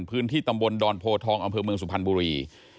พื้นที่ตำบลดอนโพทองอำเภอเมืองสุพรรณบุรี